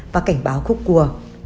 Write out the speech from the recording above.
và cảnh báo khúc cua